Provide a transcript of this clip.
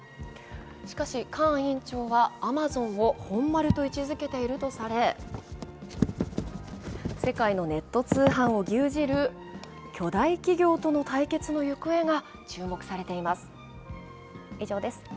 しかし、カーン委員長は、アマゾンを本丸と位置づけているとされ、世界のネット通販を牛耳る巨大企業との対決の行方が注目されています。